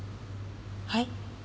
はい？